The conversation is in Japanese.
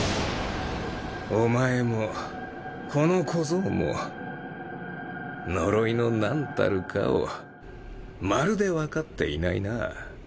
お前もこの小僧も呪いのなんたるかをまるで分かっていないな。